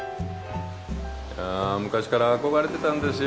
あ昔から憧れてたんですよ。